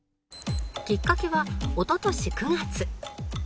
「きっかけはおととし９月」